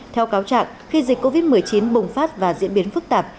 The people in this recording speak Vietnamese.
theo cáo trạng khi dịch covid một mươi chín bùng phát và diễn biến phức tạp